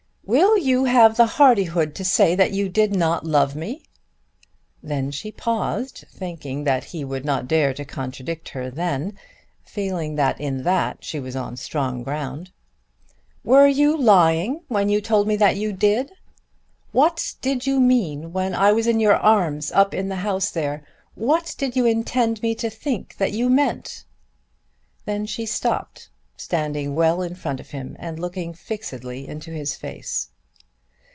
"Will you have the hardihood to say that you did not love me?" Then she paused thinking that he would not dare to contradict her then, feeling that in that she was on strong ground. "Were you lying when you told me that you did? What did you mean when I was in your arms up in the house there? What did you intend me to think that you meant?" Then she stopped, standing well in front of him, and looking fixedly into his face.